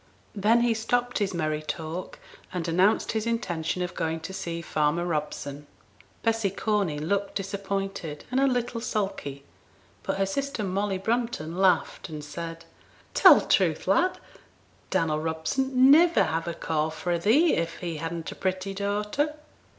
Then he stopped his merry talk, and announced his intention of going to see farmer Robson. Bessy Corney looked disappointed and a little sulky; but her sister Molly Brunton laughed, and said, 'Tell truth, lad! Dannel Robson 'd niver have a call fra' thee if he hadn't a pretty daughter.'